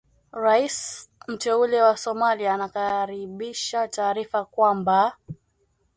Rais mteule wa Somalia anakaribisha taarifa kwamba